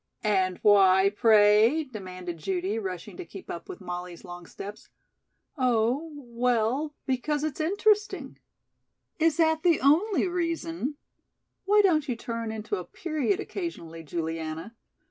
"And why, pray?" demanded Judy, rushing to keep up with Molly's long steps. "Oh, well, because it's interesting." "Is that the only reason?" "Why don't you turn into a period occasionally, Juliana?